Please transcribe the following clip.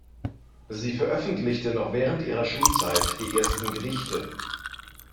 Sie veröffentlichte noch während ihrer Schulzeit die ersten Gedichte.